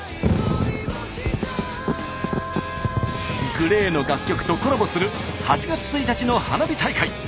ＧＬＡＹの楽曲とコラボする８月１日の花火大会。